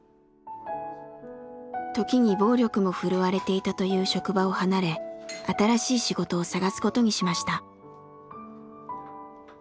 時に暴力も振るわれていたという職場を離れ新しい仕事を探すことにしました。